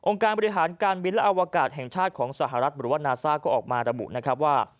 การบริหารการบินและอวกาศแห่งชาติของสหรัฐหรือว่านาซ่าก็ออกมาระบุนะครับว่า